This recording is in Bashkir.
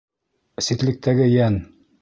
Ситлектәге йән.